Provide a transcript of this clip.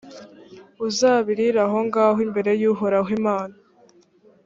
uzabirire aho ngaho imbere y’uhoraho imana